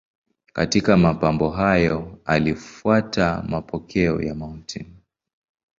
Katika mapambano hayo alifuata mapokeo ya Mt.